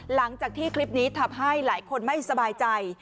หลังจากที่คลิปนี้ทำให้หลายคนไม่สบายใจ